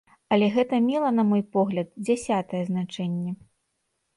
Але гэта мела, на мой погляд, дзясятае значэнне.